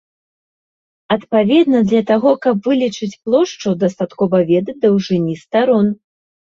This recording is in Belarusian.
Адпаведна, для таго каб вылічыць плошчу дастаткова ведаць даўжыні старон.